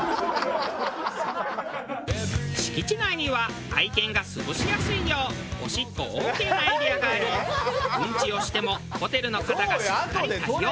敷地内には愛犬が過ごしやすいようおしっこオーケーなエリアがありうんちをしてもホテルの方がしっかり対応。